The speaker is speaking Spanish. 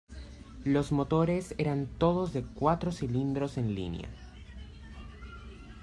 Los motores eran todos de cuatro cilindros en línea.